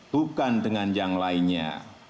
bukan dengan yang lainnya